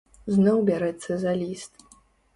Зноў бярэцца за ліст.